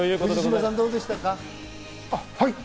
藤嶋さん、どうでしたか？